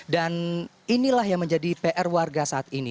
dan inilah yang menjadi pr warga saat ini